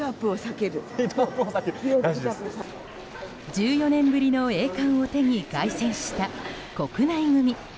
１４年ぶりの栄冠を手に凱旋した国内組。